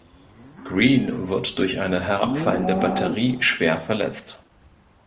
Green wird durch eine herabfallende Batterie schwer verletzt.